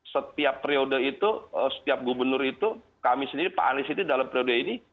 setiap periode itu setiap gubernur itu kami sendiri pak anies itu dalam periode ini